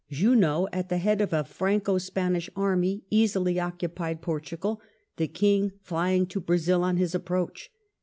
Junot^ at the head of a Franco Spanish army, easily occupied Portugal, the King flying to Brazil on his approach.